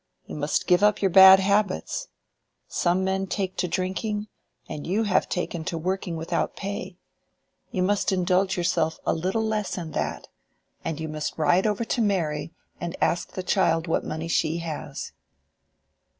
You must give up your bad habits. Some men take to drinking, and you have taken to working without pay. You must indulge yourself a little less in that. And you must ride over to Mary, and ask the child what money she has."